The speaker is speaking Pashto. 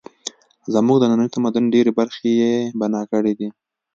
زموږ د ننني تمدن ډېرې برخې یې بنا کړې دي.